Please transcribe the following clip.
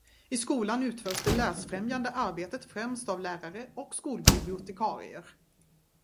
I skolan utförs det läsfrämjande arbetet främst av lärare och skolbibliotekarier.